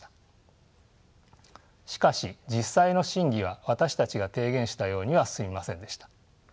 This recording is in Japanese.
しかし実際の審議は私たちが提言したようには進みませんでした。